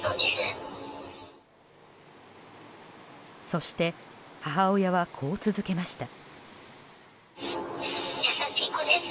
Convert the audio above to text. そして、母親はこう続けました。